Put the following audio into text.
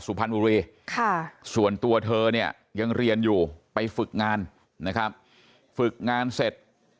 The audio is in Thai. สุพรรณบุรีค่ะส่วนตัวเธอเนี่ยยังเรียนอยู่ไปฝึกงานนะครับฝึกงานเสร็จ